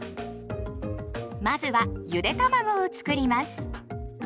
まずはゆでたまごをつくります。